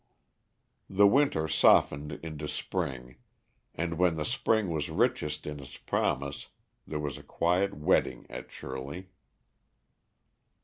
The winter softened into spring, and when the spring was richest in its promise there was a quiet wedding at Shirley.